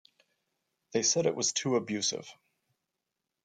They said it was too abusive.